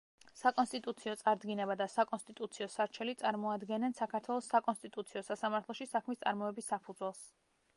საკონსტიტუციო წარდგინება და საკონსტიტუციო სარჩელი წარმოადგენენ საქართველოს საკონსტიტუციო სასამართლოში საქმის წარმოების საფუძველს.